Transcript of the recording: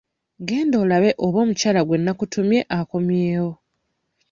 Genda olabe oba omukyala gwe nnakutumye akomyewo.